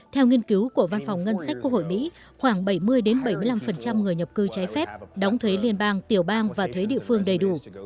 theo nghiên cứu của văn phòng ngân sách quốc hội mỹ khoảng bảy mươi bảy mươi năm người nhập cư trái phép đóng thuế liên bang tiểu bang và thuế địa phương đầy đủ